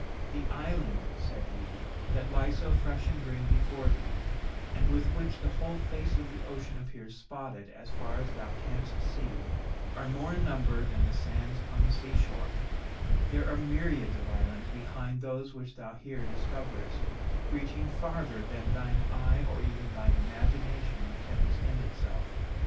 "'The islands,' said he, 'that lie so fresh and green before thee, and with which the whole face of the ocean appears spotted as far as thou canst see, are more in number than the sands on the sea shore: there are myriads of islands behind those which thou here discoverest, reaching farther than thine eye or even thine imagination can extend itself.